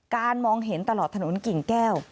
มองเห็นตลอดถนนกิ่งแก้ว